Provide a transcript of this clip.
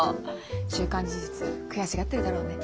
「週刊事実」悔しがってるだろうね。